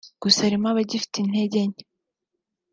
Gusa harimo abagifite intege nke